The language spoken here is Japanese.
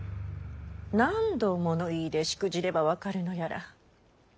何度物言いでしくじれば分かるのやら。